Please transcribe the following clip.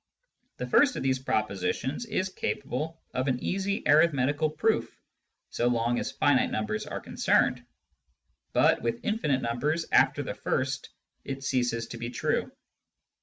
The first of these propositions is capable of an easy arithmetical proof so long as finite numbers are concerned ; but with infinite numbers, after the first, it ceases to be true.